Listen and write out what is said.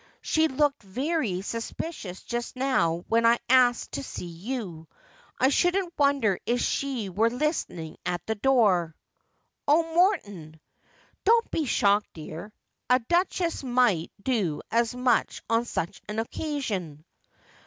She looked very suspicious just now when I asked to see you, I shouldn't wonder if she were listening at the door.' ' Oh, Morton !'' Don't be shocked, dear. A duchess might do as much on such an occasion.'